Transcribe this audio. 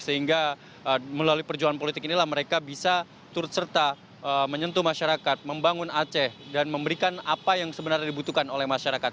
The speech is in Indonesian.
sehingga melalui perjuangan politik inilah mereka bisa turut serta menyentuh masyarakat membangun aceh dan memberikan apa yang sebenarnya dibutuhkan oleh masyarakat